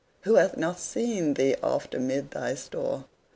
Who hath not seen thee oft amid thy store?